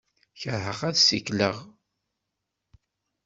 Kerheɣ ad ssikleɣ.